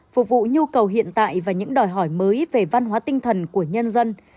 phục vụ nhu cầu hiện tại và những đòi hỏi mới về văn hóa tinh thần của nhân dân